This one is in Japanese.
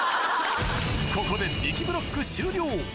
ここでびきブロック終了